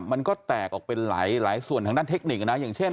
มันก็แตกออกเป็นหลายส่วนทางด้านเทคนิคนะอย่างเช่น